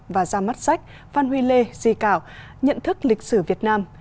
và ra mắt sách phan huy lê di cảo nhận thức lịch sử việt nam